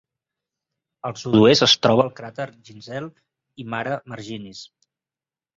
Al sud-oest es troba el cràter Ginzel i Mare Marginis.